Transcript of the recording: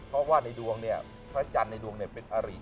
เพราะว่าชาติในดวงศาลเป็นอริ